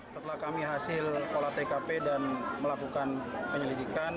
setelah kami hasil olah tkp dan melakukan penyelidikan